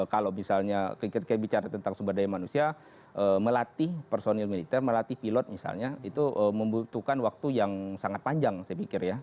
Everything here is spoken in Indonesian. kalau misalnya kita bicara tentang sumber daya manusia melatih personil militer melatih pilot misalnya itu membutuhkan waktu yang sangat panjang saya pikir ya